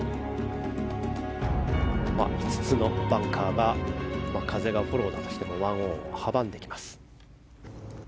５つのバンカーが風がフォローなのもあって１オンを阻んでいます。